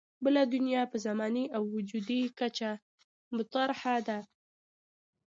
بله دنیا په زماني او وجودي کچه مطرح ده.